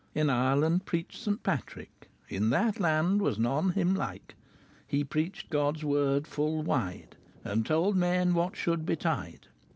In Irlonde preched Seyn Patryke; In that londe was non hym lyke: He prechede Goddes worde full wyde, And tolde men what shullde betyde.